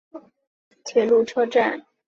滨松站的铁路车站。